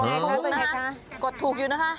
เลยไงคะกดถูกอยู่นะค่ะ